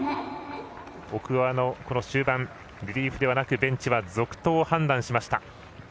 奥川の終盤リリーフではなくベンチは続投を判断しました。